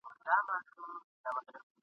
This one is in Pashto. حرص او تمي وو تر دامه راوستلی ..